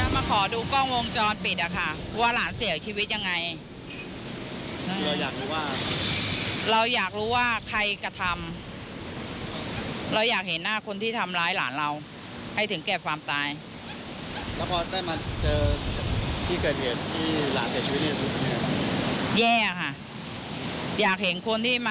มีแทงหลังอยากเห็นหน้ามาก